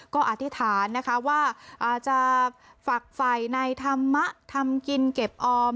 ก็อธิษฐานนะคะว่าอาจจะฝักไฟในธรรมะทำกินเก็บออม